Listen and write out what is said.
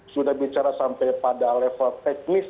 sudah bicara sampai pada level teknis